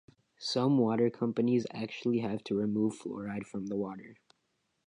Some water companies actually have to remove fluoride from the water.